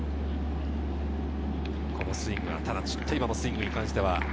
このスイングはただ今のスイングに関しては。